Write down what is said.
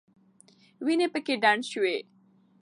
وینې پکې ډنډ شوې.